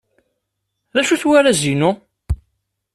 D acu-t warraz-inu?